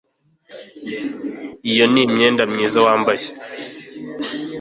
Iyo ni imyenda myiza wambaye.